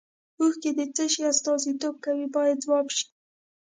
اوښکې د څه شي استازیتوب کوي باید ځواب شي.